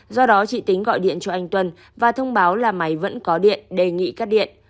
do đó chị tính gọi điện cho anh tuân và thông báo là máy vẫn có điện đề nghị cắt điện